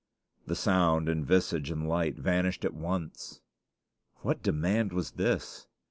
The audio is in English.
The sound and visage and light vanished at once. What demand was this?